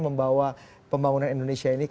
membawa pembangunan indonesia ini